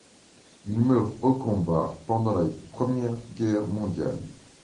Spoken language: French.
Il meurt au combat pendant la Première Guerre mondiale.